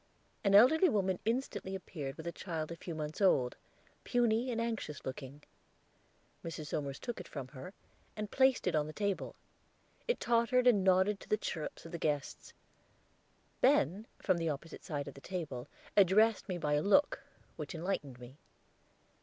An elderly woman instantly appeared with a child a few months old, puny and anxious looking. Mrs. Somers took it from her, and placed it on the table; it tottered and nodded to the chirrups of the guests. Ben, from the opposite side of the table, addressed me by a look, which enlightened me.